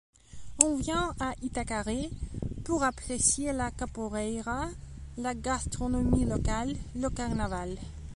On vient à Itacaré pour apprécier la capoeira, la gastronomie locale, le carnaval.